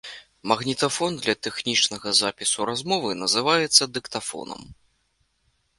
Магнітафон для тэхнічнага запісу размовы называецца дыктафонам.